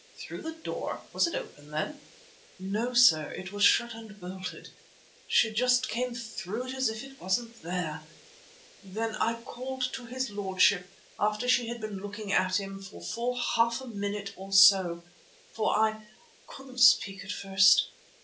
"Through the door! Was it open then?" "No, sir, it was shut and bolted. She just came through it as if it wasn't there. Then I called to his lordship after she had been looking at him for half a minute or so, for I couldn't speak at first.